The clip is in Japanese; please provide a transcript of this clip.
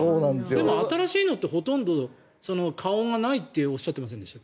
でも、新しいのってほとんど加温がないっておっしゃってませんでした？